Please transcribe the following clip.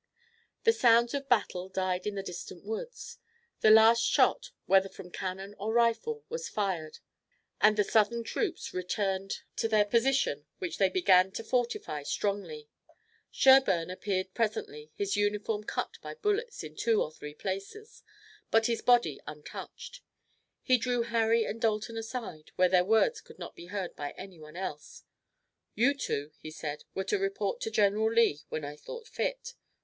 The sounds of battle died in the distant woods. The last shot, whether from cannon or rifle, was fired, and the Southern troops returned to their positions, which they began to fortify strongly. Sherburne appeared presently, his uniform cut by bullets in two or three places, but his body untouched. He drew Harry and Dalton aside, where their words could not be heard by anybody else. "You two," he said, "were to report to General Lee when I thought fit.